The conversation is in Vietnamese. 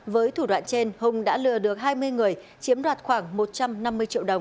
với thủ đoạn trên hùng đã lừa được hai mươi người chiếm đoạt khoảng một trăm năm mươi triệu đồng